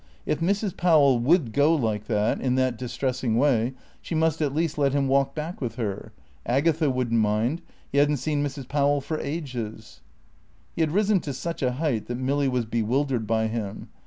If Mrs. Powell would go like that in that distressing way she must at least let him walk back with her. Agatha wouldn't mind. He hadn't seen Mrs. Powell for ages. He had risen to such a height that Milly was bewildered by him.